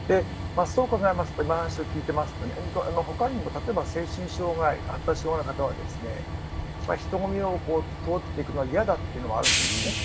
で、今の話を聞いていますと他にも、例えば精神障害や発達障害の方は人混みを通っていくのは嫌だというのがあるんですね。